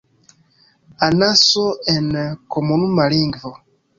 Anaso en komunuma lingvo.